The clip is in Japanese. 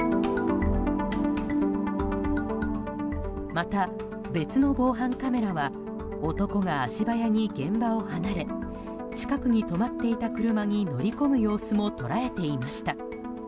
また別の防犯カメラは男が足早に現場を離れ近くに止まっていた車に乗り込む様子も捉えていました。